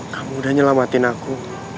kamu udah nyelamatin aku